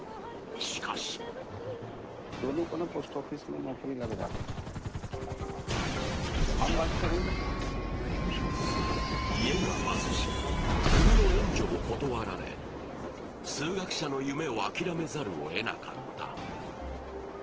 しかし家が貧しく国の援助も断られ数学者の夢を諦めざるをえなかった。